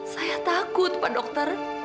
saya takut pak dokter